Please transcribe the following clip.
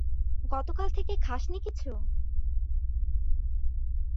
গতকাল থেকে খাসনি কিছু?